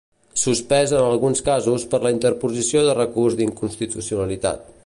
Suspès en alguns casos per la interposició de recurs d'inconstitucionalitat.